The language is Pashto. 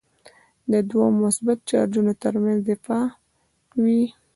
د دوو مثبت چارجونو ترمنځ دفعه وي.